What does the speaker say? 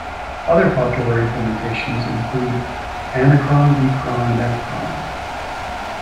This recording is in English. Other popular implementations include anacron, dcron, and fcron.